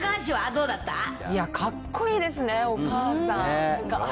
いや、かっこいいですね、お母さんが。